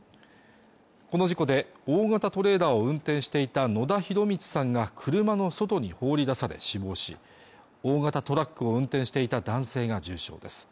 この事故で大型トレーラーを運転していた野田浩光さんが車の外に放り出され死亡し大型トラックを運転していた男性が重傷です